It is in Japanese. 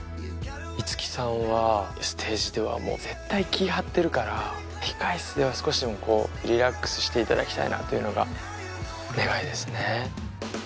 五木さんはステージでは絶対気張ってるから控室では少しでもリラックスしていただきたいなというのが願いですね。